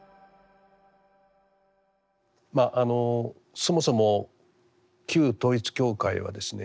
そもそも旧統一教会はですね